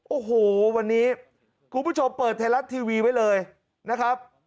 โอ้โหวันนี้คุณผู้ชมเปิดไทยรัฐทีวีไว้เลยนะครับ